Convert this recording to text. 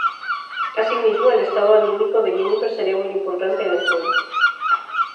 Asimismo, el estado anímico de "Jennifer" será muy importante en el juego.